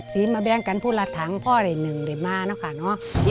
ซีแบงกันพูดละทั้งข้อใดหนึ่งเลยมาเนอะค่ะเนอะ